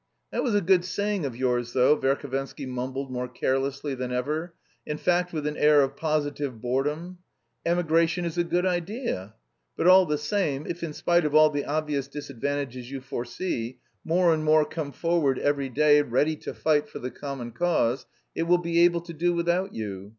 "That was a good saying of yours, though," Verhovensky mumbled more carelessly than ever, in fact with an air of positive boredom. "Emigration is a good idea. But all the same, if in spite of all the obvious disadvantages you foresee, more and more come forward every day ready to fight for the common cause, it will be able to do without you.